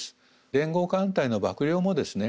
連合艦隊の幕僚もですね